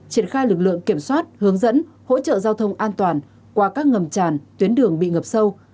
triển khai lực lượng kiểm soát hướng dẫn hỗ trợ giao thông an toàn qua các ngầm tràn tuyến đường bị ngập sâu